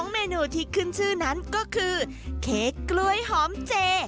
เมนูที่ขึ้นชื่อนั้นก็คือเค้กกล้วยหอมเจ